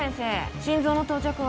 心臓の到着は？